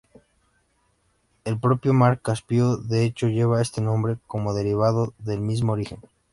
El propio mar Caspio de hecho lleva este nombre como derivado del mismo origen.